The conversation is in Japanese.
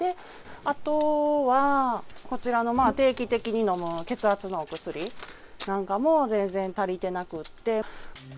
あとは、こちらの定期的に飲む血圧のお薬なんかも全然足りてなくって。